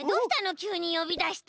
きゅうによびだして。